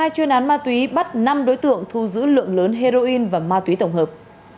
hai chuyên án ma túy bắt năm đối tượng thu giữ lượng lớn heroin và ma túy tổng hợp